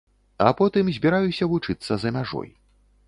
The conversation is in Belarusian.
А потым збіраюся вучыцца за мяжой.